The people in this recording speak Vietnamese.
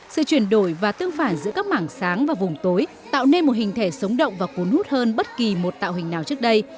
sự chuyển đổi và tương phản giữa các mảng sáng và vùng tối tạo nên một hình thể sống động và cuốn hút hơn bất kỳ một tạo hình nào trước đây